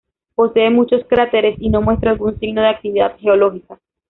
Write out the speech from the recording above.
Posee muchos cráteres y no muestra algún signo de actividad geológica.